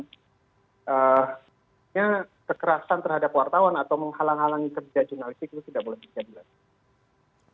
sebenarnya kekerasan terhadap wartawan atau menghalang halangi kerja jurnalistik itu tidak boleh terjadi lagi